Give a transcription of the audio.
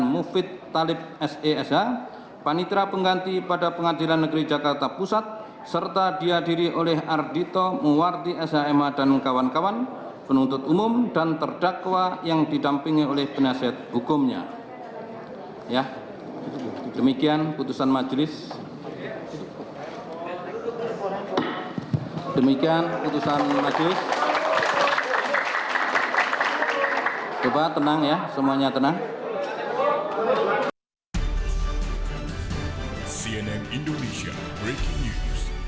sepuluh menetapkan barang bukti berupa nomor satu sampai dengan nomor dua